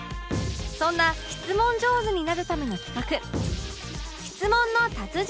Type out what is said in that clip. そんな質問上手になるための企画